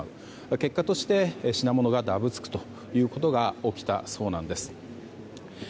結果として品物がダブつくということが起きたそうなんです。